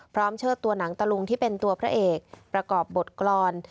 เชิดตัวหนังตะลุงที่เป็นตัวพระเอกประกอบบทกรรม